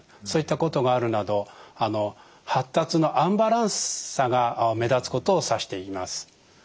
そういったことがあるなど発達のアンバランスさが目立つことを指して言います。